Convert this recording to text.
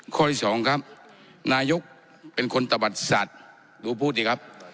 ข้อที่สองครับนายกเป็นคนตะบัดสัตว์ดูพูดดีครับ